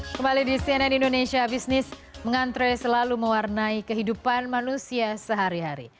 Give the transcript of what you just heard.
kembali di cnn indonesia business mengantre selalu mewarnai kehidupan manusia sehari hari